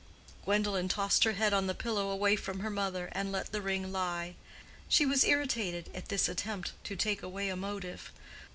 Gwendolen tossed her head on the pillow away from her mother, and let the ring lie. She was irritated at this attempt to take away a motive.